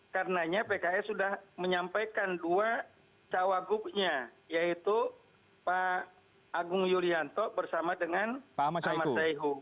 karenanya pks sudah menyampaikan dua cawagupnya yaitu pak agung yulianto bersama dengan ahmad saihu